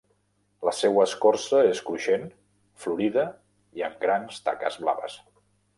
La seua escorça és cruixent, florida i amb grans taques blaves.